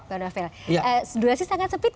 durasi sangat sepit